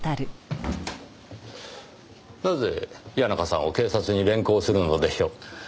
なぜ谷中さんを警察に連行するのでしょう？